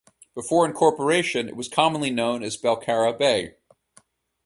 Before incorporation it was commonly known as Belcarra Bay.